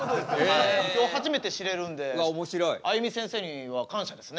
今日初めて知れるんであゆみせんせいには感謝ですね。